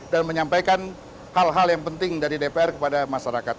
dan menyampaikan hal hal yang penting dari dpr kepada masyarakat